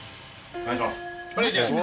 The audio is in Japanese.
お願いします。